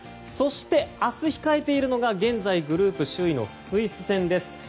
そして、明日控えているのが現在グループ首位のスイス戦です。